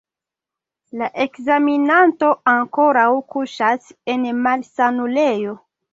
La ekzaminanto ankoraŭ kuŝas en malsanulejo.